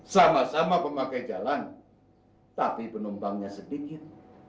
sama sama pemakai jalan tapi penumpangnya sedikit